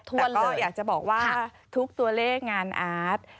เลยอยากจะบอกว่าทุกตัวเลขงานอาร์ต